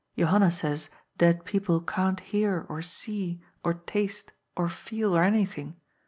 Johanna says dead people can't hear or see or taste or feel or anything.